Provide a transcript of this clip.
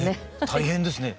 大変ですね。